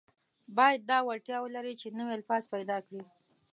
باید دا وړتیا ولري چې نوي الفاظ پیدا کړي.